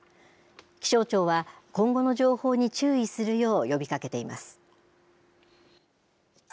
気象庁は今後の情報に注意するよう呼びかけています。